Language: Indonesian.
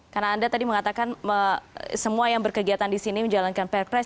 karena anda tadi mengatakan semua yang berkegiatan di sini menjalankan perpres